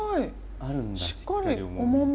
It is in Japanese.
あるんだしっかり重み。